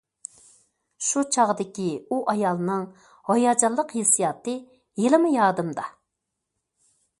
شۇ چاغدىكى ئۇ ئايالنىڭ ھاياجانلىق ھېسسىياتى ھېلىمۇ يادىمدا.